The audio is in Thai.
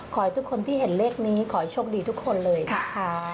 ขอให้ทุกคนที่เห็นเลขนี้ขอให้โชคดีทุกคนเลยนะคะ